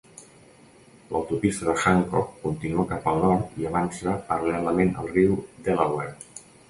L'autopista de Hancock continua cap al nord i avança paral·lelament al riu Delaware.